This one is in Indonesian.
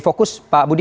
fokus pak budi